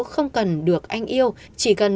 không cần được anh yêu chỉ cần